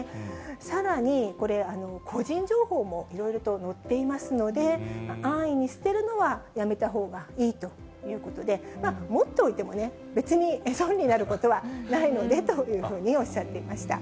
さらにこれ、個人情報もいろいろと載っていますので、安易に捨てるのはやめたほうがいいということで、持っておいてもね、別に損になることはないのでというふうにおっしゃっていました。